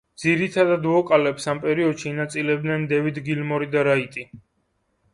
ძირითად ვოკალებს ამ პერიოდში ინაწილებდნენ დევიდ გილმორი და რაიტი.